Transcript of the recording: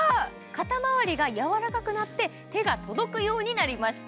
肩まわりが柔らかくなって、手が届くようになりました。